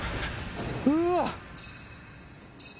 うわ。